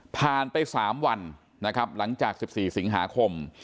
ผ่านไป๓วันนะครับหลังจาก๑๔สิงหาคม